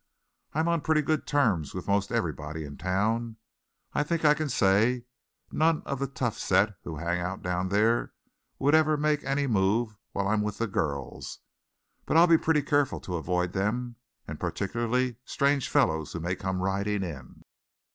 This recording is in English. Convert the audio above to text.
"I'm on pretty good terms with most everybody in town. I think I can say none of the tough set who hang out down there would ever made any move while I'm with the girls. But I'll be pretty careful to avoid them, and particularly strange fellows who may come riding in.